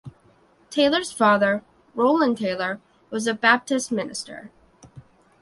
Taylor's father, Roland Taylor, was a Baptist minister.